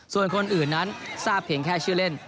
ส่วนคนอื่นนั้นทราบเพียงแค่ชื่อเล่น